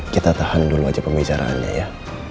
kita tahan dulu aja pembicaraannya ya